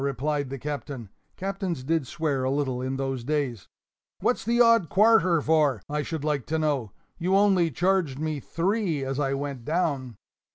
replied the Captain (captains did swear a little in those days); "what's the odd quarter for, I should like to know? You only charged me three as I went down."